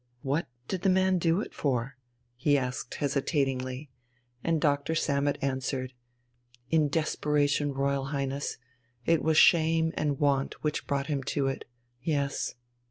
"What did the man do it for?" he asked hesitatingly, and Doctor Sammet answered: "In desperation, Royal Highness. It was shame and want which brought him to it. Yes."